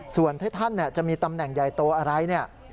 ส่วนถ้าท่านจะมีตำแหน่งใหญ่โตอะไรเนี่ย